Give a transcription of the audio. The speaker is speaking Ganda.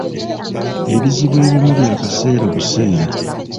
Ebizibu ebimu bya kaseera buseera.